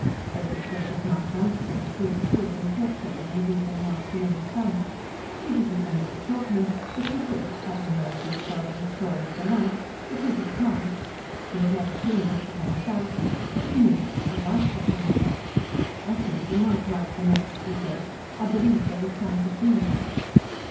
Betty thought of Mount Dunstan as he had stood and talked to her in the deepening afternoon sun. She did not know much of him, but she thought having heard G. Selden's story of the lunch that he would come. She had never seen Mr. Penzance, but she knew she should like to see him. "I think you might write the note," she said. "I believe they would come to see you."